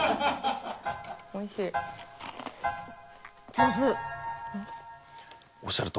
上手！